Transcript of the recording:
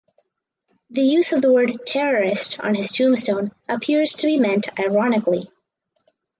The use of the word "terrorist" on his tombstone appears to be meant ironically.